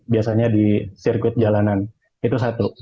biasanya di sirkuit jalanan itu satu